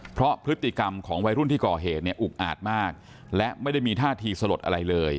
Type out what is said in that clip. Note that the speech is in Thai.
เพราะพฤติกรรมของวัยรุ่นที่ก่อเหตุเนี่ยอุกอาจมากและไม่ได้มีท่าทีสลดอะไรเลย